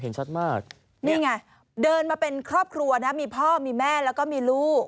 ชัดมากนี่ไงเดินมาเป็นครอบครัวนะมีพ่อมีแม่แล้วก็มีลูก